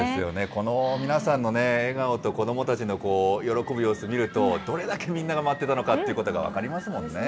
この皆さんのね、笑顔と、子どもたちの喜ぶ様子見ると、どれだけみんなが待ってたのかというのが分かりますもんね。